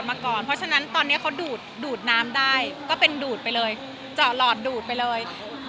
มันได้ก็เป็นดูดไปเลยจะหลอดดูดไปเลย